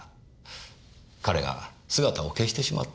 彼が姿を消してしまったんですよ。